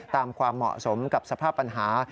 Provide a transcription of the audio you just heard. ความเหมาะสมกับสภาพปัญหา